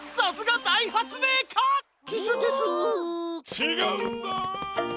ちがうんだ！